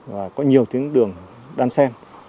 và có nhiều tuyến đường đan sen